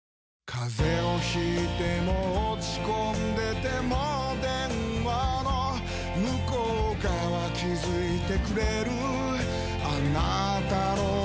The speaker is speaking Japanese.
風邪を引いても落ち込んでても電話の向こう側気付いてくれるあなたの声